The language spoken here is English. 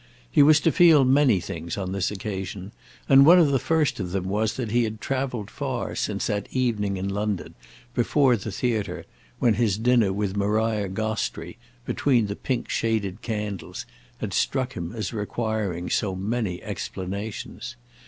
He was to feel many things on this occasion, and one of the first of them was that he had travelled far since that evening in London, before the theatre, when his dinner with Maria Gostrey, between the pink shaded candles, had struck him as requiring so many explanations.